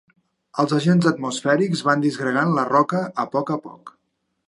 Els agents atmosfèrics van disgregant la roca a poc a poc.